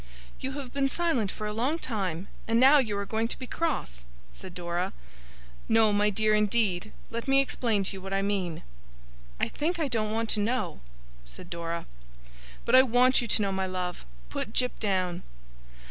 'You have been silent for a long time, and now you are going to be cross!' said Dora. 'No, my dear, indeed! Let me explain to you what I mean.' 'I think I don't want to know,' said Dora. 'But I want you to know, my love. Put Jip down.